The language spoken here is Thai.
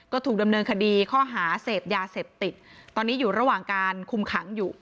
ก็ถูกดำเนินคดีข้อหาเสพยาเสพติดตอนนี้อยู่ระหว่างการคุมขังอยู่